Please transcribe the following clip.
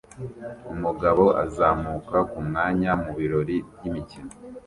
Umugabo azamuka ku mwanya mu birori by'imikino